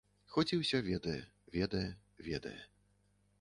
Хоць і ўсё ведае, ведае, ведае.